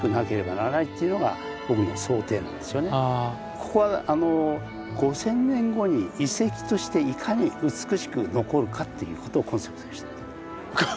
ここはあの五千年後に遺跡としていかに美しく残るかっていうことをコンセプトにしてるんです。